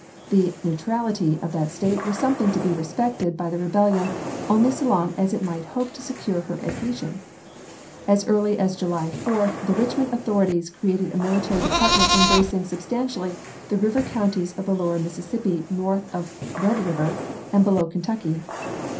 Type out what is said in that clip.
The " neutrality" of that State was something to be respected by the re bellion only so long as it might hope to secure her adhesion. As early as July 4 the Richmond au thorities created a military department embracing substantially the river counties of the lower Mis sissippi north of Red River and below Kentucky.